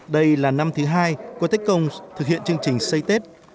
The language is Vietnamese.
đây là năm thứ hai qua tết công thực hiện chương trình xây tết